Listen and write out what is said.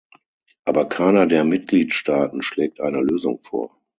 Aber keiner der Mitgliedstaaten schlägt eine Lösung vor.